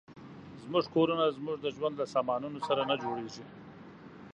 زموږ کورونه زموږ د ژوند له سامانونو سره نه جوړېږي.